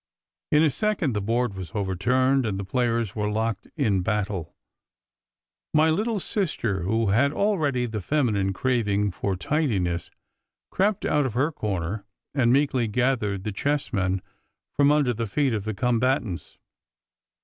In a second the board was overturned and the players were locked in battle. My little sister, who had already the feminine craving for tidiness, crept out of her corner and meekly gathered the chessmen from under the feet of the combatants.